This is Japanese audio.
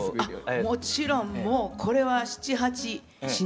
もちろんもうこれは７８品。